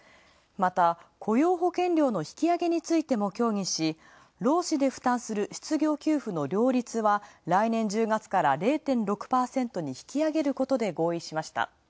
また、雇用保険料の引き上げについても協議し、労使で負担する失業給付の料率は来年１０月から０．６％に引き上げることに合意しました。